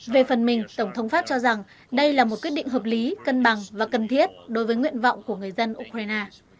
về phần mình tổng thống pháp cho rằng đây là một quyết định hợp lý cân bằng và cần thiết đối với nguyện vọng của người dân ukraine